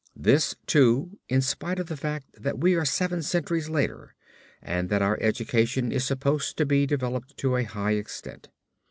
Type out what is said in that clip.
This too, in spite of the fact that we are seven centuries later and that our education is supposed to be developed to a high extent.